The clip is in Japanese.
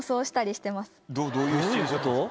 どういうこと？